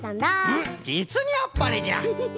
うむじつにあっぱれじゃ！